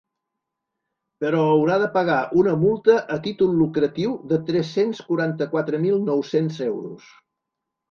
Però haurà de pagar una multa a títol lucratiu de tres-cents quaranta-quatre mil nou-cents euros.